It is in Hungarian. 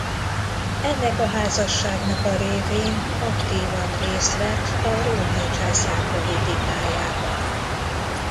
Ennek a házasságnak a révén aktívan részt vett a római császár politikájában.